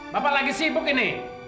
bapak lagi sibuk ini